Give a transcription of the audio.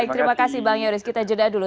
baik terima kasih bang yoris kita jeda dulu